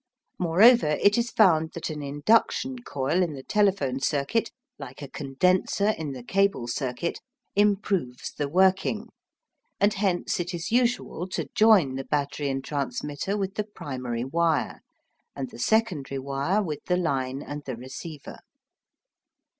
Moreover, it is found that an induction coil in the telephone circuit, like a condenser in the cable circuit, improves the working, and hence it is usual to join the battery and transmitter with the primary wire, and the secondary wire with the line and the receiver.